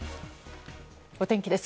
お天気です。